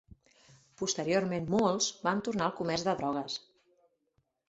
Posteriorment molts van tornar al comerç de drogues.